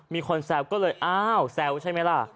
มีคนแซวก็เลยอ้าวแซวใช่ไหมล่ะ